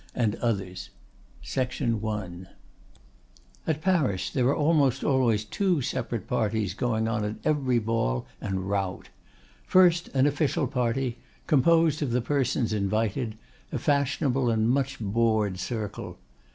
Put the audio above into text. ANOTHER STUDY OF WOMAN At Paris there are almost always two separate parties going on at every ball and rout. First, an official party, composed of the persons invited, a fashionable and much bored circle.